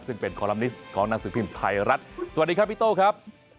ซึ่งเป็นคอลัมนิสต์ของหนังสือพิมพ์ไทยรัฐสวัสดีครับพี่โต้ครับ